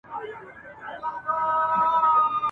ډنبار ډېر لږ عمر وکړ ..